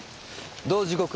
同時刻。